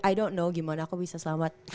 i don't know gimana aku bisa selamat